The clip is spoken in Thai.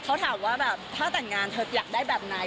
ก็แหวนมันแล้วแหละเขาถามว่าแบบถ้าแต่งงานเธออยากได้แบบไหน